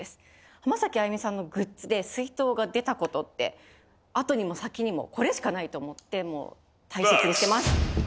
浜崎あゆみさんのグッズで水筒が出たことってあとにも先にもこれしかないと思ってもう大切にしてます。